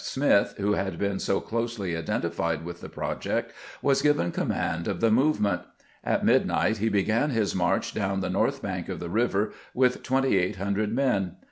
Smith, who had been so closely identified with the project, was given command of the movement. At midnight he began his march down the north bank of the river with 2800 men.